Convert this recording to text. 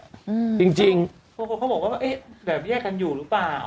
อืมจริงจริงบางคนเขาบอกว่าเอ๊ะแบบแยกกันอยู่หรือเปล่า